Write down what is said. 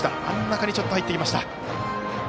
真ん中にちょっと入ってきました。